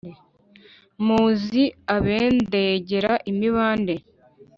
Muzi abendegera imibande